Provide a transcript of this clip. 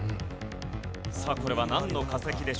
さあこれはなんの化石でしょうか？